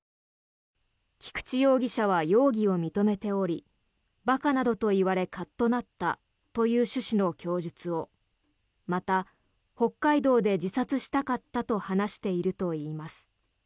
菊池容疑者は容疑を認めており馬鹿などと言われカッとなったという趣旨の供述をまた、北海道で自殺したかったと話しているといいます。